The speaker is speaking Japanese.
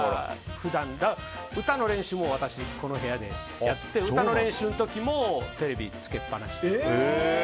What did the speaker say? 普段、歌の練習も私、この部屋でやって歌の練習の時もテレビつけっぱなし。